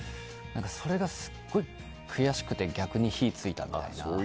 それがすごい悔しくて逆に火が付いたみたいな。